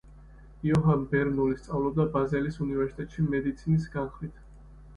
იოჰან ბერნული სწავლობდა ბაზელის უნივერსიტეტში მედიცინის განხრით.